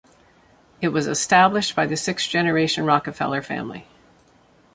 It was established by the six-generation Rockefeller family.